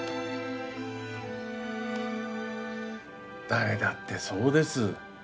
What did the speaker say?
誰だってそうです。